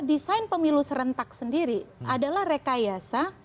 desain pemilu serentak sendiri adalah rekayasa